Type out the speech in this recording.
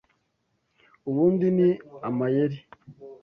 Ubu ni amayeri?